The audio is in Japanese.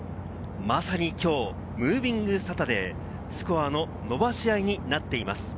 まさにきょう、ムービングサタデー、スコアの伸ばし合いになっています。